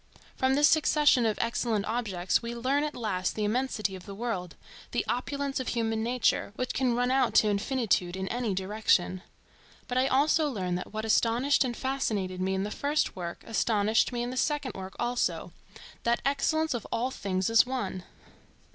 From this succession of excellent objects we learn at last the immensity of the world, the opulence of human nature, which can run out to infinitude in any direction. But I also learn that what astonished and fascinated me in the first work astonished me in the second work also; that excellence of all things is one.